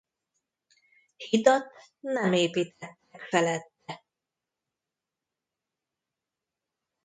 Hidat nem építettek felette.